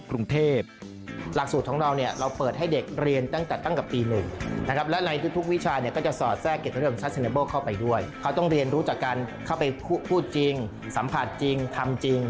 เขาต้องเรียนรู้จักกันเข้าไปพูดจริงสัมผัสจริงทำจริง